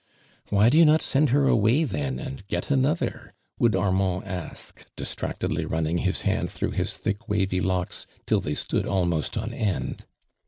'•' Why do you not send her away then and get another ?" would Armand ask, distract <!dly running his hand through his thick wavj' locks till thoy stood almost on end.